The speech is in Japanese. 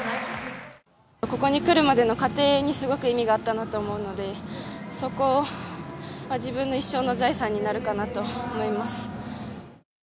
ここに来るまでの過程にすごく意味があったなと思うのでそこを自分の一生の財産になるかなと思います。